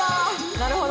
なるほど。